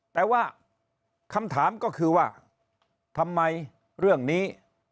แต่ว่าคำถามก็คือว่าทำไมเรื่องนี้